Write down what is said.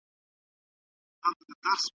هغه وویل سنډویچ د سپکو خوړو لومړنی مشهور ډول دی.